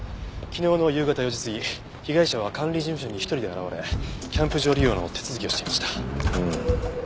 昨日の夕方４時過ぎ被害者は管理事務所に１人で現れキャンプ場利用の手続きをしていました。